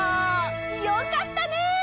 よかったね！